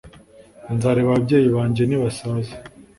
nzareba ababyeyi banjye nibasaza